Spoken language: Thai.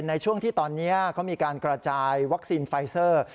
ในช่วงที่ตอนนี้เขามีการกระจายวัคซีนไฟเซอร์